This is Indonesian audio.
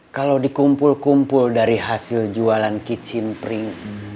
kalau dikumpul kumpul dari hasil jualan kitchen print